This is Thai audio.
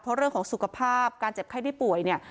เพราะเรื่องของสุขภาพการเจ็บไข้ได้ป่วยเนี่ย